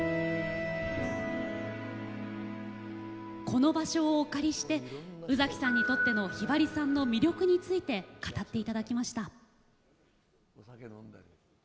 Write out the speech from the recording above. この場所をお借りして宇崎さんにとってのひばりさんの魅力について語っていただきました。